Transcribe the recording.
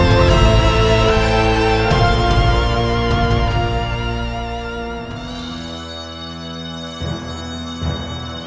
bagi aku untuk memberimu turun jauhan